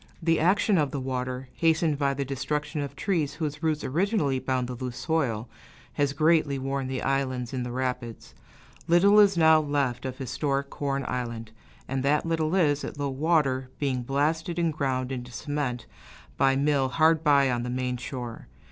The action of the water, hastened by the destruction of trees whose roots originally bound the loose soil, has greatly worn the islands in the rapids. Little is now left of historic Corn Island, and that little is, at low water, being blasted and ground into cement by a mill hard by on the main shore.